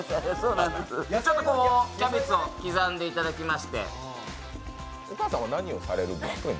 ちょっとキャベツを刻んでいただきましてお母さんは何をされるんですか？